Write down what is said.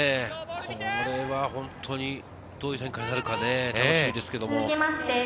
これは本当に、どういう展開になるか楽しみですけども。